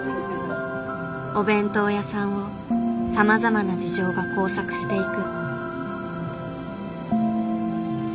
お弁当屋さんをさまざまな事情が交錯していく。